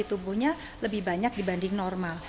jadi tubuhnya lebih banyak dibanding normal